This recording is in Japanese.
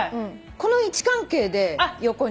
この位置関係で横に。